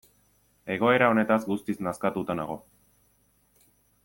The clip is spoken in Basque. Egoera honetaz guztiz nazkatuta nago.